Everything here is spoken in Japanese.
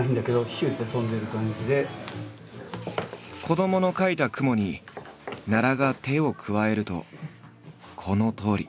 子どもの描いた雲に奈良が手を加えるとこのとおり。